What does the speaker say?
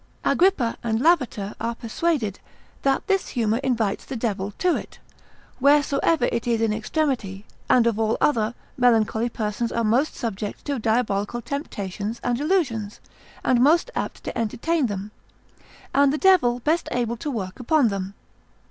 Agrippa and Lavater are persuaded, that this humour invites the devil to it, wheresoever it is in extremity, and of all other, melancholy persons are most subject to diabolical temptations and illusions, and most apt to entertain them, and the Devil best able to work upon them.